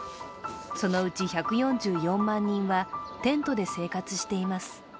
そのうち１４４万人はテントで生活しています。